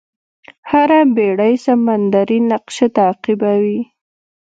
هره بېړۍ سمندري نقشه تعقیبوي.